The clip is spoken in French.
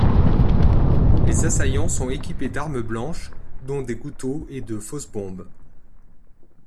Les assaillants sont équipés d'armes blanches, dont des couteaux, et de fausses bombes.